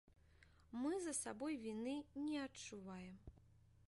Мы за сабой віны не адчуваем.